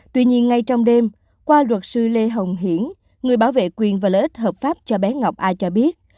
tuy nhiên ngay trong đêm qua luật sư lê hồng hiển người bảo vệ quyền và lợi ích hợp pháp cho bé ngọc a cho biết